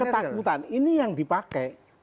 ketakutan ini yang dipakai